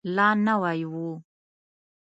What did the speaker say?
لا نوی و.